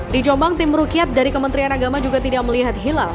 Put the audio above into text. di jombang tim rukiat dari kementerian agama juga tidak melihat hilal